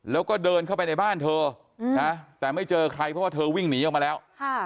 แล้วก็เดินเข้าไปในบ้านเธอนะแต่ไม่เจอใครเพราะว่าเธอวิ่งหนีออกมาแล้ว